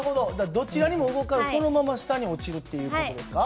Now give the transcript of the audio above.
どちらにも動かずそのまま下に落ちるっていう事ですか？